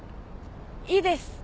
いいです。